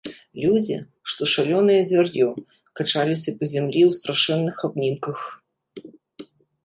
Людзі, што шалёнае звяр'ё, качаліся па зямлі ў страшэнных абнімках.